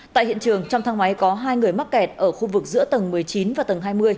tại hiện trường trong thang máy có hai người mắc kẹt ở khu vực giữa tầng một mươi chín và tầng hai mươi